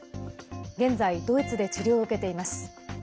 現在ドイツで治療を受けています。